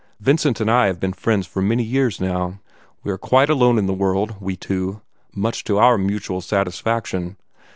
Vincent and I have been friends for many years now. We are quite alone in the world, we two much to our mutual satisfaction.